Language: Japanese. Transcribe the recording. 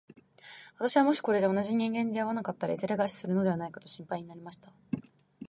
私はもしこれで同じ人間に出会わなかったら、いずれ餓死するのではないかと心配になりました。